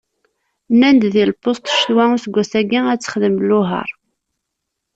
Nnan-d deg lpuṣt ccetwa useggas-ayi ad texdem luheṛ.